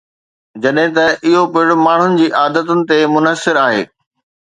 جڏهن ته اهو پڻ ماڻهن جي عادتن تي منحصر آهي